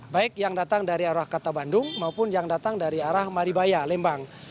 baik yang datang dari arah kota bandung maupun yang datang dari arah maribaya lembang